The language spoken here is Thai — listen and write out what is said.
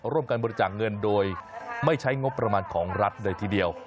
ร่วมการบริจาคเงินโดยไม่ใช้งบประมาณของรัฐเลยทีเดียว